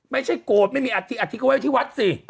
ไม่ใช่โกรธไม่มีอัฐิอัฐิก็ไว้ที่วัดสิ